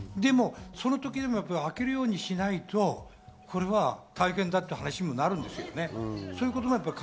でもその時でも開けるようにしないとこれは大変だって話にもなるんですよね。